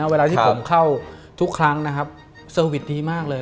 เวลาที่ผมเข้าทุกครั้งสวิตช์ดีมากเลย